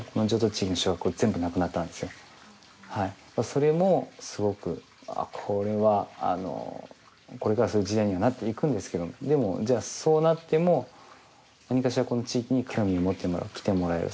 それもすごくこれはこれからそういう時代にはなっていくんですけどでもじゃあそうなっても何かしらこの地域に興味を持ってもらう来てもらえる。